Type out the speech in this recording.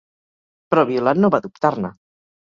Però Violant no va dubtar-ne.